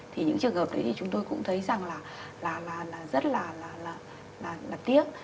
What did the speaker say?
thì những trường hợp đấy thì chúng tôi cũng thấy rằng là rất là tiếc